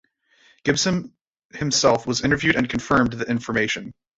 Gibson himself was interviewed and confirmed the information.